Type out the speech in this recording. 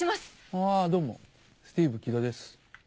あーどうもスティーブ・キドです。